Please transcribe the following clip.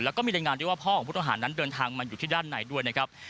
แล้วก็มีรายงานด้วยว่าพ่อของผู้ต้องหานั้นเดินทางมาอยู่ที่ด้านในด้วยนะครับ